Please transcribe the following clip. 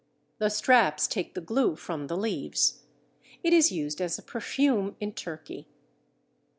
The straps take the glue from the leaves. It is used as a perfume in Turkey.